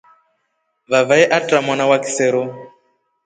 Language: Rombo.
Vavae aatra mwana wa kisero.